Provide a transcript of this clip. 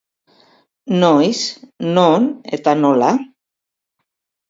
Noiz, non eta nola?